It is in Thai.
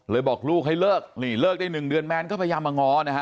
บอกลูกให้เลิกนี่เลิกได้๑เดือนแมนก็พยายามมาง้อนะฮะ